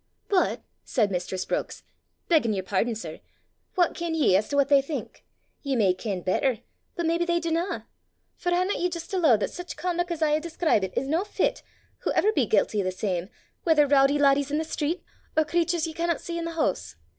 "But," said mistress Brookes, "beggin' yer pardon, sir, what ken ye as to what they think? Ye may ken better, but maybe they dinna; for haena ye jist allooed that sic conduc' as I hae describit is no fit, whaever be guilty o' the same, whether rowdy laddies i' the streets, or craturs ye canna see i' the hoose?